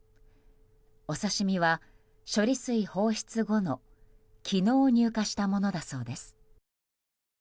お刺身は処理水放出後の昨日、入荷したものだそうです。